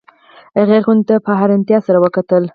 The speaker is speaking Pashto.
هغې خونې ته په حیرانتیا سره وکتل